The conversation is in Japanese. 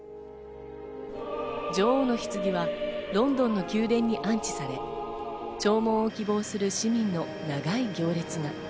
女王のひつぎはロンドンの宮殿に安置され、弔問を希望する市民の長い行列が。